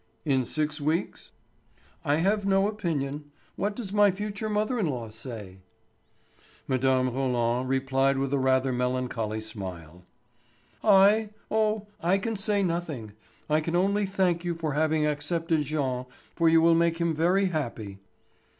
"In six weeks?" "I have no opinion. What does my future mother in law say?" Mme. Roland replied with a rather melancholy smile: "I? Oh, I can say nothing. I can only thank you for having accepted Jean, for you will make him very happy."